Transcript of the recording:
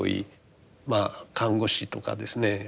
まあ看護師とかですね